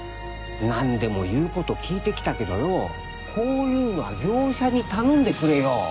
何でも言うことを聞いて来たけどよこういうのは業者に頼んでくれよ。